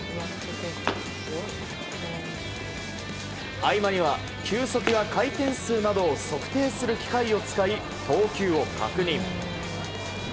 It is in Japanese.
合間には球速や回転数などを測定する機械を使い投球を確認。